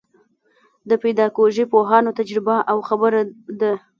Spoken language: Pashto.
د پیداکوژۍ پوهانو تجربه او خبره ده.